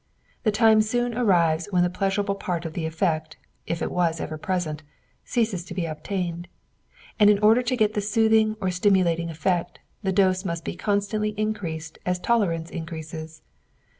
The time soon arrives when the pleasurable part of the effect if it was ever present ceases to be obtained; and in order to get the soothing or stimulating effect, the dose must be constantly increased as tolerance increases.